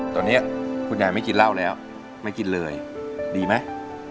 ตอนนี้คุณยายไม่กินเหล้าแล้วไม่กินเลยดีไหม